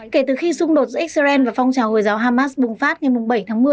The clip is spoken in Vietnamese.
kể từ khi xung đột giữa israel và phong trào hồi giáo hamas bùng phát ngày bảy tháng một mươi